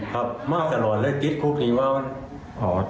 ครับมาตลอดแล้วติดคุกดีมาก